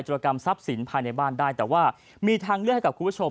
รกรรมทรัพย์สินภายในบ้านได้แต่ว่ามีทางเลือกให้กับคุณผู้ชม